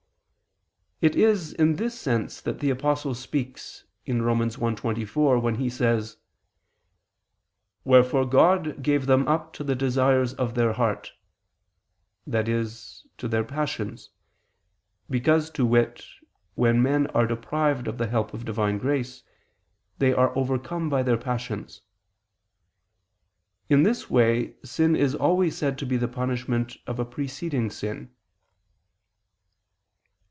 It is in this sense that the Apostle speaks (Rom. 1:24) when he says: "Wherefore God gave them up to the desires of their heart," i.e. to their passions; because, to wit, when men are deprived of the help of Divine grace, they are overcome by their passions. In this way sin is always said to be the punishment of a preceding sin.